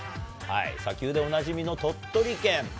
砂丘でおなじみの鳥取県。